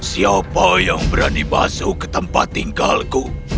siapa yang berani masuk ke tempat tinggalku